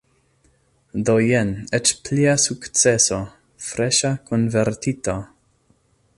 Do jen eĉ plia sukceso – freŝa konvertito!